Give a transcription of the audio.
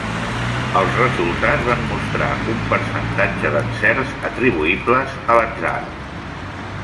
Els resultats van mostrar un percentatge d'encerts atribuïbles a l'atzar.